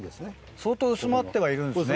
相当薄まってはいるんですね。